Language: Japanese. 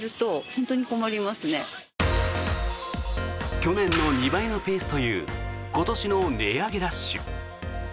去年の２倍のペースという今年の値上げラッシュ。